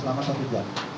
selama satu jam